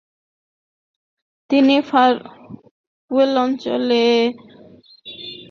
তিনি 'ফান-য়ুল অঞ্চলে স্নে'উ-জুর বৌদ্ধবিহার স্থাপন করেন।